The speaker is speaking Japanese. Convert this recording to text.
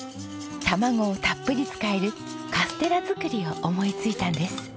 卵をたっぷり使えるカステラ作りを思いついたんです。